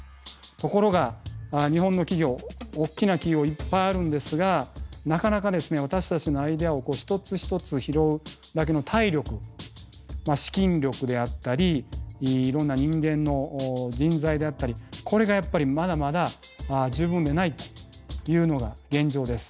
ところが日本の企業大きな企業いっぱいあるんですがなかなかですね私たちのアイデアを一つ一つ拾うだけの体力資金力であったりいろんな人間の人材であったりこれがやっぱりまだまだ十分でないというのが現状です。